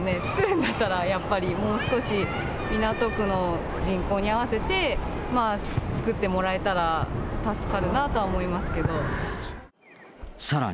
作るんだったらやっぱりもう少し港区の人口に合わせて、作ってもらえたら助かるなとは思いますけど。